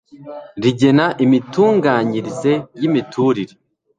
RIGENA IMITUNGANYIRIZE Y IMITURIRE